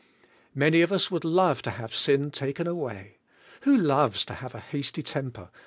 Many of us would love to have sin taken away. Who loves to have a hasty temper?